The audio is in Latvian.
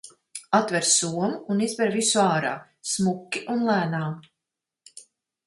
Atver somu un izber visu ārā, smuki un lēnām.